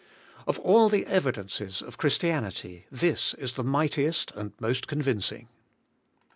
Of all the evidences of Christianity, this is the mightiest and most convincing.